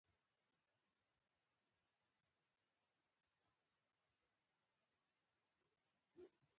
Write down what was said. قومونه د افغانانو د تفریح یوه وسیله ده.